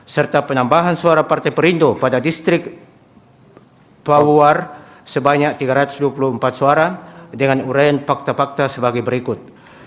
serta penambahan suara partai perindo pada distrik power sebanyak tiga ratus dua puluh empat suara dengan uraian fakta fakta sebagai berikut